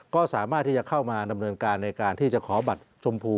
ก็สามารถที่จะเข้ามาดำเนินการในการที่จะขอบัตรชมพู